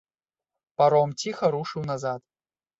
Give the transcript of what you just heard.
Паром ціха рушыў назад.